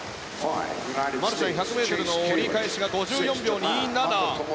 マルシャン１００ｍの折り返しは５４秒２７。